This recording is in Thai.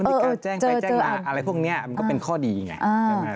นิกาแจ้งไปแจ้งมาอะไรพวกนี้มันก็เป็นข้อดีไง